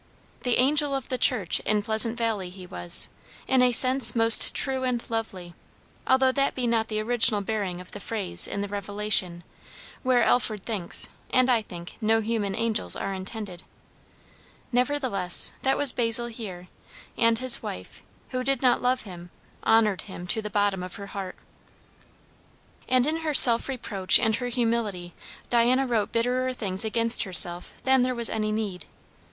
"The angel of the church" in Pleasant Valley he was, in a sense most true and lovely, although that be not the original bearing of the phrase in the Revelation, where Alford thinks, and I think, no human angels are intended. Nevertheless, that was Basil here; and his wife, who did not love him, honoured him to the bottom of her heart. And in her self reproach and her humility, Diana wrote bitterer things against herself than there was any need.